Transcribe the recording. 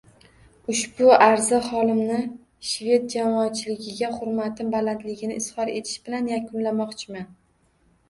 Ushbu arzi holimni shved jamoatchiligiga hurmatim balandligini izhor etish bilan yakunlamoqchiman